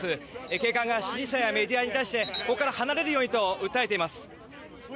警官が支持者やメディアに対してここから離れるようにと訴えています。